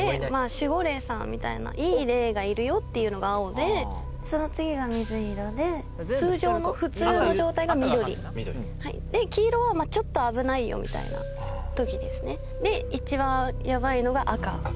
守護霊さんみたいないい霊がいるよっていうのが青でその次が水色で通常の普通の状態が緑緑で黄色はちょっと危ないよみたいな時ですねで一番やばいのが赤赤